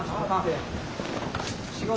仕事！